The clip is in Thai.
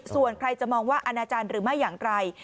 ส่วนใครจะมองว่าอนาจารย์หรือไม่อย่างไร